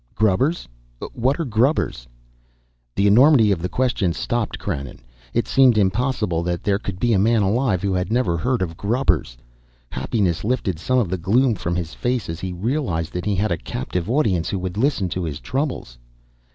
"Grubbers? What are grubbers?" The enormity of the question stopped Krannon, it seemed impossible that there could be a man alive who had never heard of grubbers. Happiness lifted some of the gloom from his face as he realized that he had a captive audience who would listen to his troubles.